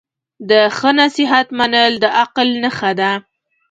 د ښه نصیحت منل د عقل نښه ده.